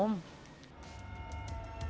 sama seperti orang umum